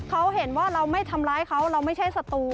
เขาเห็นว่าเราไม่ทำร้ายเขาเราไม่ใช่ศัตรู